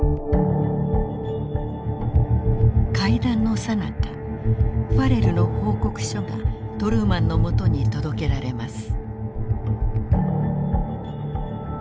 会談のさなかファレルの報告書がトルーマンのもとに届けられます。